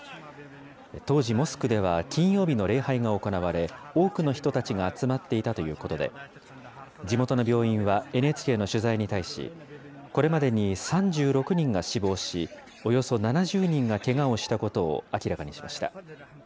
当時、モスクでは金曜日の礼拝が行われ、多くの人たちが集まっていたということで、地元の病院はＮＨＫの取材に対し、これまでに３６人が死亡し、およそ７０人がけがをしたことを明らかにしました。